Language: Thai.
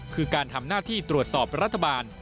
คือการทำหน้าที่ตรวจสอบรัฐบาล